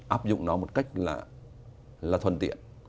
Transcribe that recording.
áp dụng nó một cách là thuận tiện